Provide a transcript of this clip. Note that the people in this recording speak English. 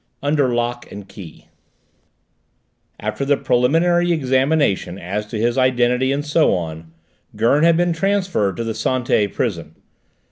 UNDER LOCK AND KEY After the preliminary examination as to his identity and so on, Gurn had been transferred to the Santé prison.